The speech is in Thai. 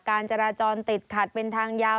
การจราจรติดขัดเป็นทางยาว